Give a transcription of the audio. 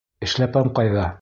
Эшләпәм ҡайҙа?